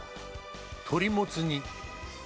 鳥もつ煮。